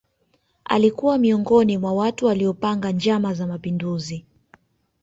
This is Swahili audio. Alikuwa miongoni mwa watu waliopanga njama za mapinduzi